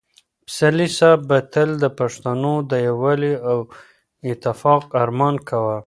پسرلي صاحب به تل د پښتنو د یووالي او اتفاق ارمان کاوه.